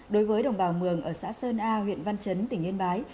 đối với đồng bào mường ở xã sơn a huyện văn chấn tỉnh yên bái